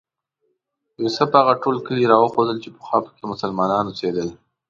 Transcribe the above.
یوسف هغه ټول کلي راوښودل چې پخوا په کې مسلمانان اوسېدل.